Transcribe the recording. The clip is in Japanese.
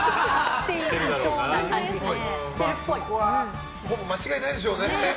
そこはほぼ間違いないでしょうね。